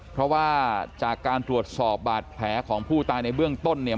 เพราะว่าจากการตรวจสอบบาดแผลของผู้ตายในเบื้องต้นเนี่ย